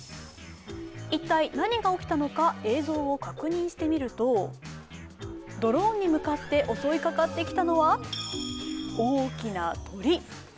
一体何が起きたのか、映像を確認してみるとドローンに向かって襲いかかってきたのは、大きな鳥。